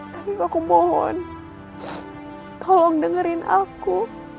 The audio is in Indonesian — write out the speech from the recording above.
tapi aku mohon tolong dengerin aku